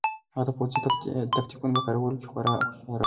هغه د پوځي تکتیکونو په کارولو کې خورا هوښیار و.